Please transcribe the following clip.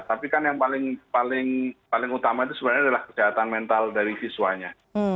tapi kan yang paling utama itu sebenarnya adalah kesehatan mental dari siswanya